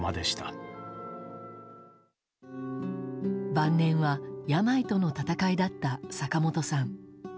晩年は病との闘いだった坂本さん。